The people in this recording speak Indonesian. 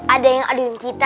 ada yang aduin kita